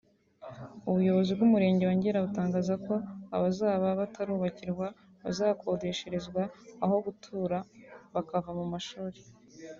ubuyobozi bw’Umurenge wa Ngera butangaza ko abazaba batarubakirwa bazakodesherezwa aho gutura bakava mu mashuri